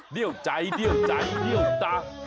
เดี๋ยวใจเดี๋ยวใจเดี๋ยวตะ